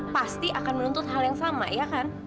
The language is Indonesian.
pasti akan menuntut hal yang sama ya kan